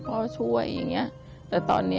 ทำงานชื่อนางหยาดฝนภูมิสุขอายุ๕๔ปี